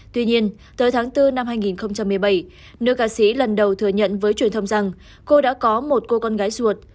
tuy nhiên tới tháng bốn năm hai nghìn một mươi bảy nữ ca sĩ lần đầu thừa nhận với truyền thông rằng cô đã có một cô con gái ruột